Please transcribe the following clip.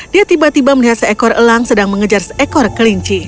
dia tiba tiba melihat seekor elang sedang mengejar seekor kelinci